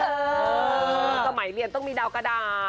สมัยเรียนต้องมีดาวกระดาษ